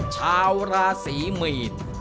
ชาวราศีมีน